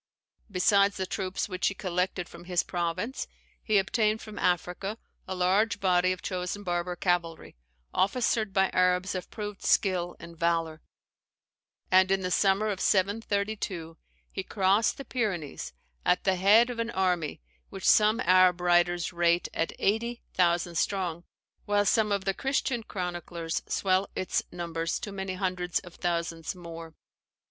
Besides the troops which he collected from his province, he obtained from Africa a large body of chosen Barber cavalry, officered by Arabs of proved skill and valour: and in the summer of 732 he crossed the Pyrenees at the head of an army which some Arab writers rate at eighty thousand strong, while some of the Christian chroniclers swell its numbers to many hundreds of thousands more.